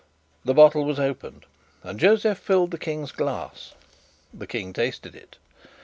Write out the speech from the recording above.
The bottle was opened, and Josef filled the King's glass. The King tasted it.